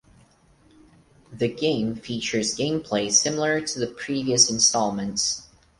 The game features game play similar to the previous installments.